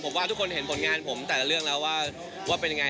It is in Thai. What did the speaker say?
ผมว่าทุกคนเห็นผลงานผมแต่ละเรื่องแล้วว่าเป็นยังไง